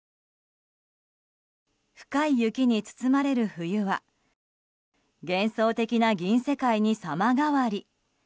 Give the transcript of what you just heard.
深い雪に包まれる冬は幻想的な銀世界に様変わり。